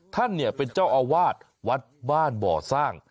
ท่านเนี่ยเป็นเจ้าอาวาสวัดบ้านบ่อสร้าง